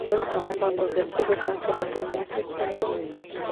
He was also a member of the Privy Council of the United Kingdom.